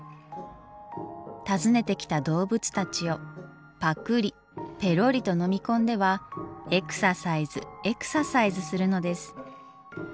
訪ねてきた動物たちをぱくりぺろりと飲み込んではエクササイズエクササイズするのです。